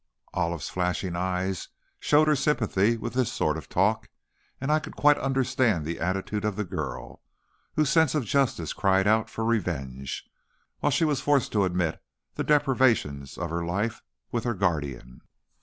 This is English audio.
Olive's flashing eyes showed her sympathy with this sort of talk and I could quite understand the attitude of the girl, whose sense of justice cried out for revenge, while she was forced to admit the deprivations of her life with her guardian.